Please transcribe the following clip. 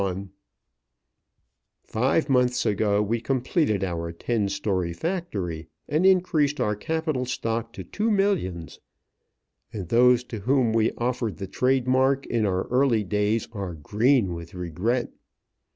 [Illustration: 30] Five months ago we completed our ten story factory, and increased our capital stock to two millions; and those to whom we offered the trade mark in our early days are green with regret.